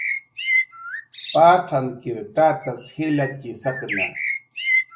Patzankir tatas jilatxi satna.